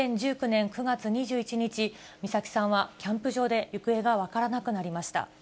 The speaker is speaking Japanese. ２０１９年９月２１日、美咲さんはキャンプ場で行方が分からなくなりました。